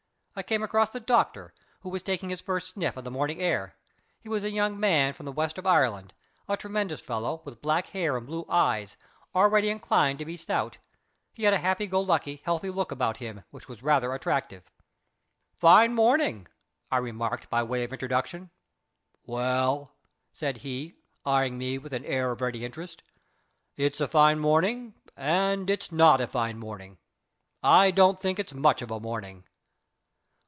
I came across the doctor, who was taking his first sniff of the morning air. He was a young man from the West of Ireland a tremendous fellow, with black hair and blue eyes, already inclined to be stout; he had a happy go lucky, healthy look about him which was rather attractive. "Fine morning," I remarked, by way of introduction. "Well," said he, eyeing me with an air of ready interest, "it's a fine morning and it's not a fine morning. I don't think it's much of a morning."